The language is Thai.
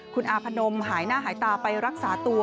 คุณอาพนมหายหน้าหายตาไปรักษาตัว